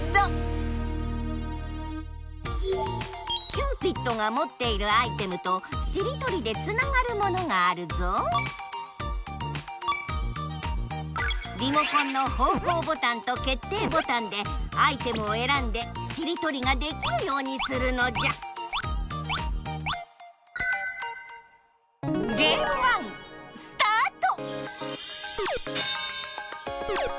キューピッドがもっているアイテムとしりとりでつながるものがあるぞリモコンの方向ボタンと決定ボタンでアイテムをえらんでしりとりができるようにするのじゃスタート！